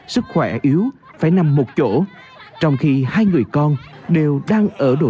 sức khỏe yếu phải nằm một chỗ trong khi hai người con đều đang ở độ tuổi ăn học